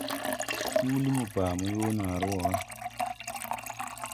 Huulí mo baa mo yoo naaré woo wa.